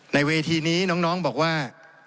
ในเวทีนี้น้องบอกว่า